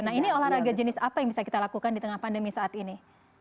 nah ini olahraga jenis apa yang bisa kita lakukan di tengah pandemi saat ini